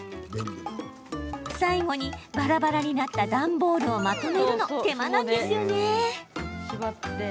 最後に、ばらばらになった段ボールをまとめるの手間なんですよね。